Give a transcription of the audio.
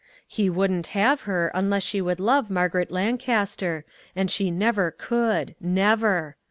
He wouldn't have her unless she would love Margaret Lancaster ; and she never could, never!